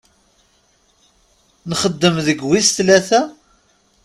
Nxeddem deg wis tlata?